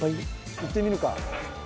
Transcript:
行ってみるか。